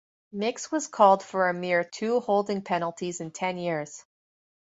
Mix was called for a mere two holding penalties in ten years.